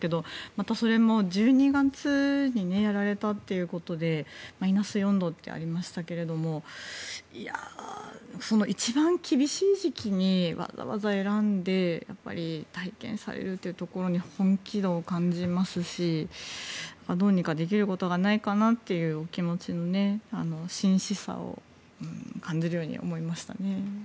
またそれも１２月にやられたということでマイナス４度とありましたが一番厳しい時期をわざわざ選んで体験されるというところに本気度を感じますしどうにかできることがないかなというお気持ちの真摯さを感じるように思いましたね。